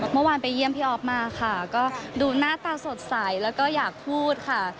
เมื่อวานไปเยี่ยมพี่อ๊อฟมาค่ะก็ดูหน้าตาสดใสแล้วก็อยากพูดค่ะ